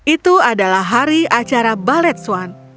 itu adalah hari acara balet swan